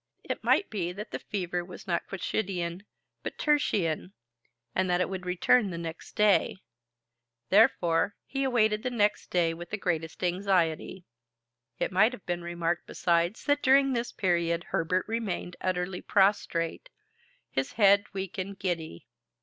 It might be that the fever was not quotidian, but tertian, and that it would return next day. Therefore, he awaited the next day with the greatest anxiety. It might have been remarked besides that during this period Herbert remained utterly prostrate, his head weak and giddy.